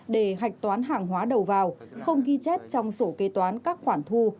để hạch toán hàng hóa đầu vào không ghi chép trong sổ kế toán các khoản thu